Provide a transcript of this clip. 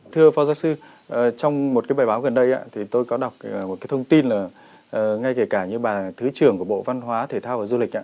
thưa phó giáo sư trong một cái bài báo gần đây thì tôi có đọc một cái thông tin là ngay kể cả như bà thứ trưởng của bộ văn hóa thể thao và du lịch ạ